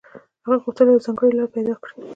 هغه غوښتل يوه ځانګړې لاره پيدا کړي.